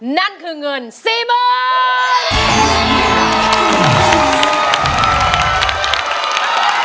นั่นคือเงิน๔๐๐๐บาท